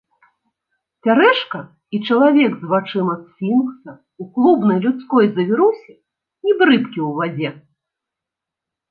Цярэшка і чалавек з вачыма сфінкса ў клубнай людской завірусе, нібы рыбкі ў вадзе.